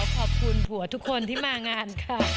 ขอบคุณผัวทุกคนที่มางานค่ะ